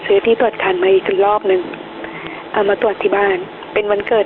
พี่ตรวจคันมาอีกจนรอบหนึ่งเอามาตรวจที่บ้านเป็นวันเกิด